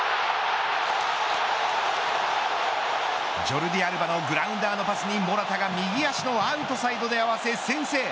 ジョルディ・アルバのグラウンダーのパスにモラタが右足のアウトサイドで合わせ、先制。